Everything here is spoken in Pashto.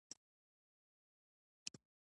په دویمه جګړه کې هغه بریالی شو.